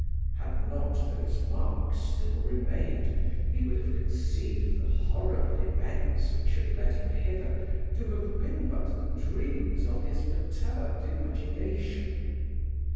Had not those marks still remained, he would have conceived the horrible events which had led him thither to have been but the dreams of his perturbed imagination.